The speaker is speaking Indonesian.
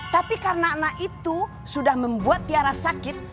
tapi karena anak itu sudah membuat tiara sakit